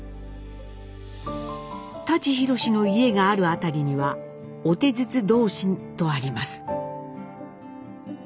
舘ひろしの家がある辺りには「御手筒同心」とあります。